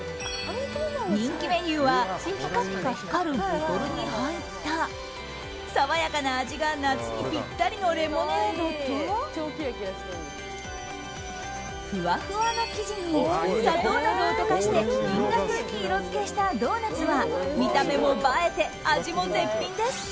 人気メニューはピカピカ光るボトルに入った爽やかな味が夏にぴったりのレモネードとふわふわの生地に砂糖などを溶かして銀河風に色づけしたドーナツは見た目も映えて、味も絶品です。